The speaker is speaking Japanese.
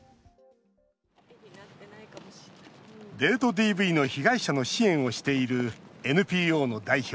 ＤＶの被害者の支援をしているＮＰＯの代表